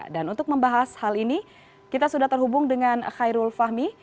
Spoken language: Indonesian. dan untuk membahas hal ini kita sudah terhubung dengan khairul fahmi